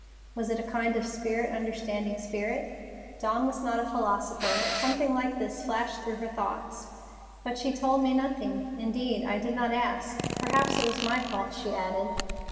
Was it a kind of spirit understanding spirit? Dawn was not a philosopher, but something like this flashed through her thoughts. "But she told me nothing. Indeed, I did not ask. Perhaps it was my fault," she added.